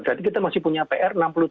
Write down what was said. jadi kita masih punya pr enam puluh tujuh